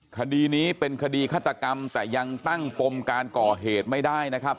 คดีนี้เป็นคดีฆาตกรรมแต่ยังตั้งปมการก่อเหตุไม่ได้นะครับ